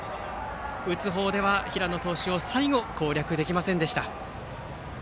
打つ方では最後、平野投手を攻略できませんでした。